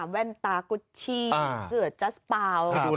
แว่นตากุชชี่เผื่อจะปลาว